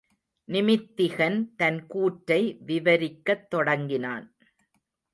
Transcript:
நிமித்திகன் தன் கூற்றை விவரிக்கத் தொடங்கினான்.